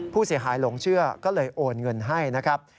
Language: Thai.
ผู้เสียหายหลงเชื่อก็เลยโอนเงินให้นะครับ